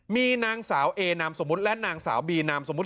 มีนางสาวเอน้ำสมุทรและนางสาวบีน้ำสมุทร